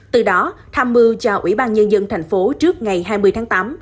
từ đó tham mưu cho ủy ban nhân dân tp hcm trước ngày hai mươi tháng tám